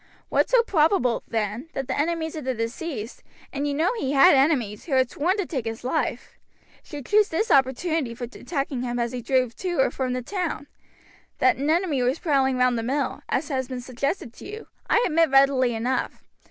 "What so probable, then, that the enemies of the deceased and you know that he had enemies, who had sworn to take his life should choose this opportunity for attacking him as he drove to or from the town. That an enemy was prowling round the mill, as has been suggested to you, I admit readily enough.